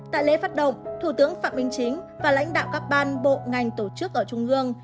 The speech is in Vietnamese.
tại lễ phát động thủ tướng phạm minh chính và lãnh đạo các ban bộ ngành tổ chức ở trung ương